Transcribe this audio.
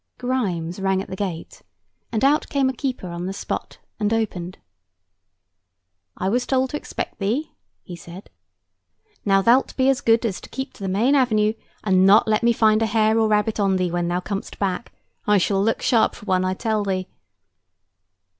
Grimes rang at the gate, and out came a keeper on the spot, and opened. "I was told to expect thee," he said. "Now thou'lt be so good as to keep to the main avenue, and not let me find a hare or a rabbit on thee when thou comest back. I shall look sharp for one, I tell thee."